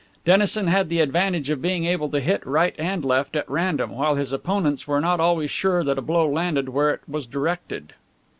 Dennison had the advantage of being able to hit right and left, at random, while his opponents were not always sure that a blow landed where it was directed.